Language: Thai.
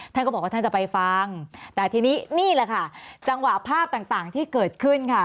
ท่านก็บอกว่าท่านจะไปฟังแต่ทีนี้นี่แหละค่ะจังหวะภาพต่างที่เกิดขึ้นค่ะ